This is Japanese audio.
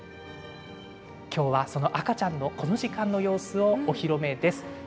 きょうは、その赤ちゃんのこの時間の様子をお披露目です。